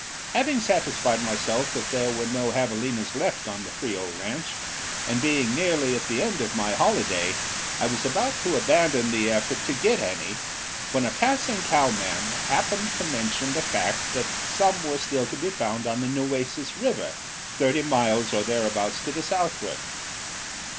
Having satisfied myself that there were no javalinas left on the Frio ranch, and being nearly at the end of my holiday, I was about to abandon the effort to get any, when a passing cowman happened to mention the fact that some were still to be found on the Nueces River thirty miles or thereabouts to the southward.